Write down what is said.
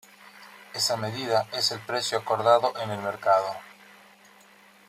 Esa medida es el "precio" acordado en el mercado.